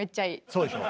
そうでしょ。